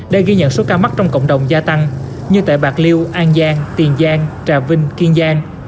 đã ghi nhận số ca mắc trong cộng đồng gia tăng như tại bạc liêu an giang tiền giang trà vinh kiên giang